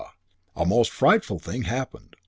_ A most frightful thing happened.